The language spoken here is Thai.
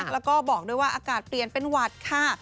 แล้วก็บอกด้วยว่าอากาศเปลี่ยนเป็นหวัดค่ะ